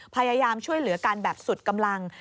พยายามช่วยเหลือกันแบบสุดกำลัง